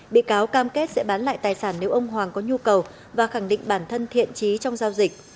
bị cáo cam kết sẽ bán lại tài sản nếu ông hoàng có nhu cầu và khẳng định bản thân thiện trí trong giao dịch